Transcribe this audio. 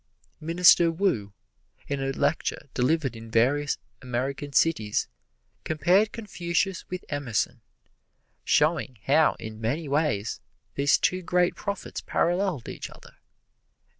Minister Wu, in a lecture delivered in various American cities, compared Confucius with Emerson, showing how in many ways these two great prophets paralleled each other.